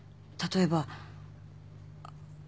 例えば。